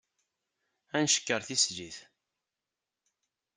Ad ncekker tislit.